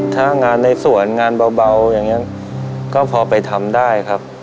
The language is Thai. ถ้างานในสวนงานเบาอย่างนี้ก็พอไปทำได้ครับ